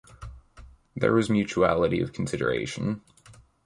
There was mutuality of consideration.